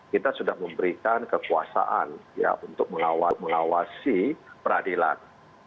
kita sudah memberikan kekuasaan untuk mengawasi peradilan